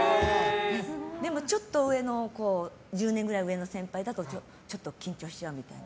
でも、ちょっと上の１０年ぐらい上の先輩だとちょっと緊張しちゃうみたいな。